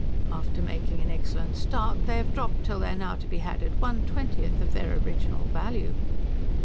After making an excellent start, they have dropped till they are now to be had at one twentieth of their original value."